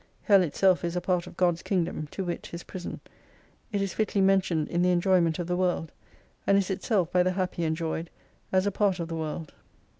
Hell itself is a part of God's kingdom, to wit His prison. It is fitly mentioned in the enjoyment of the world : And is itself by the happy enjoyed, as a part of the world."